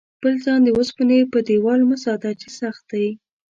خپل ځان د اوسپنې په دېوال مه ساته چې سخت دی.